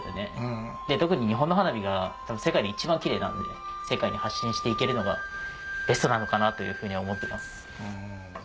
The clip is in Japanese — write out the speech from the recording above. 特に日本の花火が世界で一番キレイなので世界に発信して行けるのがベストなのかなというふうには思ってます。